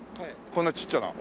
こんなちっちゃな。